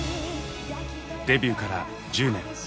デビューから１０年。